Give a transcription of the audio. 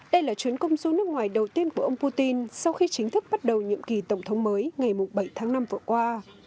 đây là chuyến công du nước ngoài đầu tiên của ông putin sau khi chính thức bắt đầu nhiệm kỳ tổng thống mới ngày bảy tháng năm vừa qua